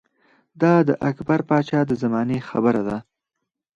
دا د اکبر باچا د زمانې خبره ده